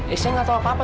eh saya gak tau apa apa